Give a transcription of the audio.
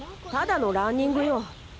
ただのランニングよ。